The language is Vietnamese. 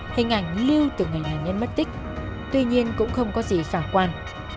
hình ảnh lưu từng hình nạn nhân mất tích tuy nhiên cũng không có gì khả quan